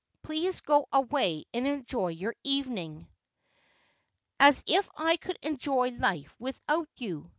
Please go away and enjoy your evening.' ' As if I could enjoj' life without you.